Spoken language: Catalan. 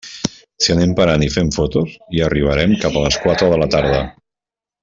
Si anem parant i fent fotos, hi arribarem cap a les quatre de la tarda.